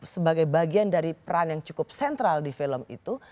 sebagai bagian dari peran yang cukup sentral di film itu